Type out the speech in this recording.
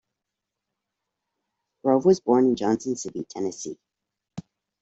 Grove was born in Johnson City, Tennessee.